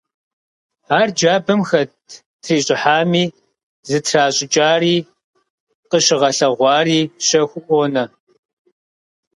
Ар джабэм хэт трищӀыхьами, зытращӀыкӀари къыщыгъэлъэгъуари щэхуу къонэ.